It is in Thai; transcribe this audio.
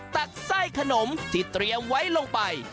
ตักไส้ขนมที่เตรียมไว้ลงไป